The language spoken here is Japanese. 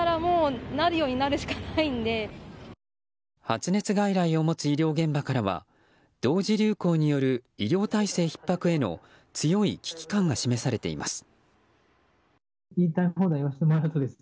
発熱外来を持つ医療現場からは同時流行による医療体制ひっ迫への強い危機感が示されています。